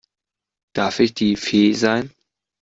Darf ich die Fee sein?